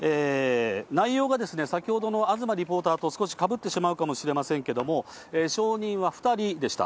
内容がですね、先ほどの東リポーターと少しかぶってしまうかもしれませんけれども、証人は２人でした。